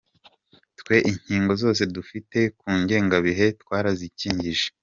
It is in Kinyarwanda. Twe inkingo zose dufite ku ngengabihe twarazikingije.